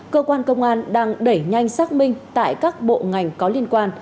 cơ quan công an đang đẩy nhanh xác minh tại các bộ ngành có liên quan